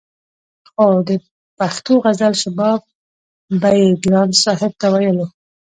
خو د پښتو غزل شباب به يې ګران صاحب ته ويلو